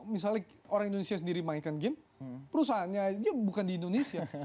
misalnya orang indonesia sendiri mainkan game perusahaannya dia bukan di indonesia